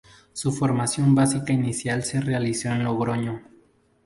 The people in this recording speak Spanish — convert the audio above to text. Su formación básica inicial se realizó en Logroño.